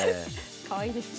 かわいいですね。